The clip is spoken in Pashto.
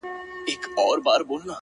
په مټي چي خان وكړی خرابات په دغه ښار كي’